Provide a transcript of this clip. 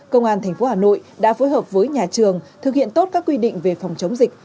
công an tp hà nội đã phối hợp với nhà trường thực hiện tốt các quy định về phòng chống dịch